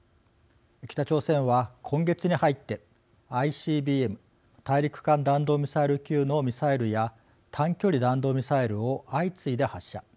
北朝鮮は今月に入ってＩＣＢＭ＝大陸間弾道ミサイル級のミサイルや短距離弾道ミサイルを相次いで発射。